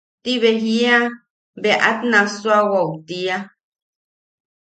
Tibe jia bea at nesauwaʼu tia.